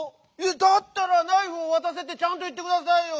だったら「ナイフをわたせ」ってちゃんといってくださいよ。